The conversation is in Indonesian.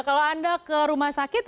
kalau anda ke rumah sakit